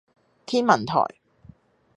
天文台